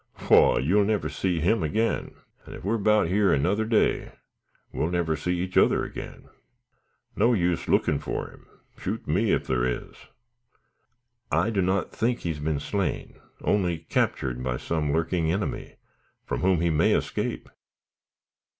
"Waugh! you'll never see him again, and ef we're 'bout yer another day, we'll never see each other again. No use lookin' fur him, shoot me ef thar is." "I do not think he has been slain, only captured by some lurking enemy, from whom he may escape."